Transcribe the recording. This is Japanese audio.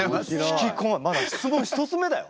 引き込ままだ質問１つ目だよ？